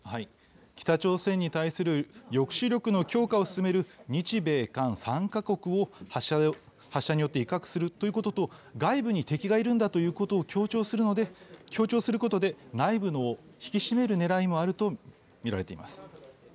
北朝鮮に対する抑止力の強化を進める日米韓３か国を、発射によって威嚇するということと、外部に敵がいるんだということを強調することで、内部を引き締めるねらいもあると見られています。